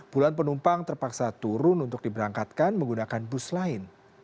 puluhan penumpang terpaksa turun untuk diberangkatkan menggunakan bus lain